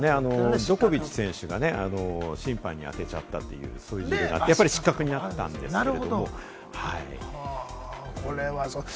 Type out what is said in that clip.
ジョコビッチ選手が審判に当てちゃったということがあって、やっぱり失格になったんですけれどもね、はい。